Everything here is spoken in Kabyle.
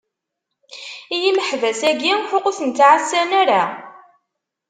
I yimaḥbas-aki ḥuq ur ten-ttɛassan ara?